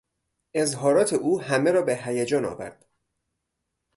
اظهارات او همه را به هیجان آورد.